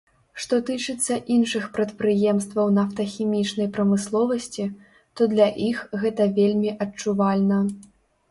Што тычыцца іншых прадпрыемстваў нафтахімічнай прамысловасці, то для іх гэта вельмі адчувальна.